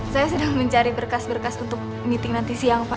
saya sedang mencari berkas berkas untuk meeting nanti siang pak